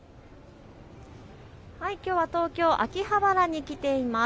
きょうは東京秋葉原に来ています。